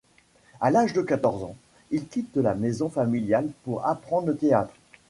À l'âge de quatorze ans, il quitte la maison familiale pour apprendre le théâtre.